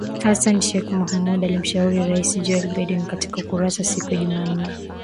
Hassan Sheikh Mohamud alimshukuru Raisi Joe Biden katika ukurasa siku ya Jumanne